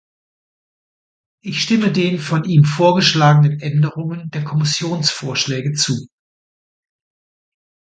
Ich stimme den von ihm vorgeschlagenen Änderungen der Kommissionsvorschläge zu.